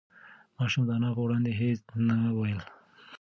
ماشوم د انا په وړاندې هېڅ نه ویل.